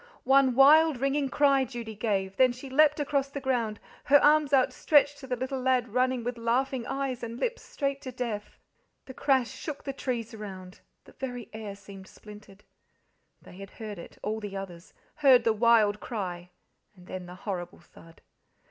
One wild ringing cry Judy gave, then she leaped across the ground, her arms outstretched to the little lad running with laughing eyes and lips straight to death. The crash shook the trees around, the very air seemed splintered. They had heard it all the others heard the wild cry and then the horrible thud.